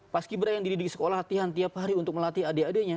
pas kibra yang dididik di sekolah hatian tiap hari untuk melatih adik adiknya